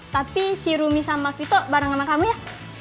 tapi si rumi sama kito bareng sama kamu ya